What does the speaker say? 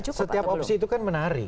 nah makanya setiap opsi itu kan menarik